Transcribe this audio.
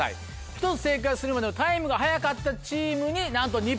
１つ正解するまでのタイムが早かったチームになんと２ポイント。